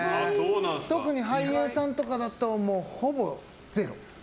特に俳優さんとかだとほぼ０。